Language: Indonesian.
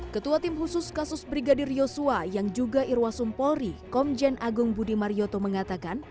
ketua tim khusus kasus brigadir yosua yang juga irwasum polri komjen agung budi marioto mengatakan